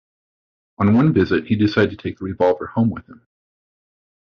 On one visit he decided to take the revolver home with him.